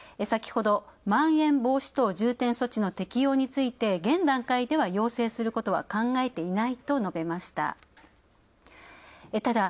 先ほど、まん延防止等重点措置の適応について現段階では要請することは考えていないと述べました。